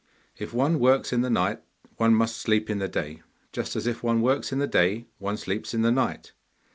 'If one works in the night one must sleep in the day, just as if one works in the day one sleeps in the night.